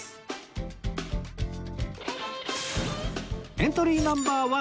エントリーナンバー１